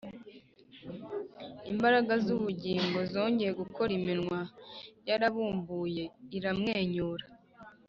imbaraga z’ubugingo zongeye gukora iminwa yarabumbuye iramwenyura